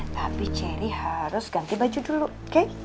tapi cherry harus ganti baju dulu oke